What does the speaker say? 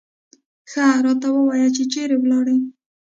ښه راته ووایه چې چېرې ولاړې.